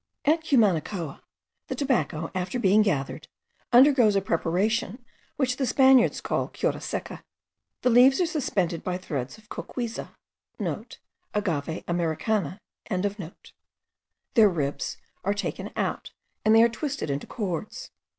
At Cumanacoa the tobacco, after being gathered, undergoes a preparation which the Spaniards call cura seca. The leaves are suspended by threads of cocuiza;* (* Agave Americana.) their ribs are taken out, and they are twisted into cords.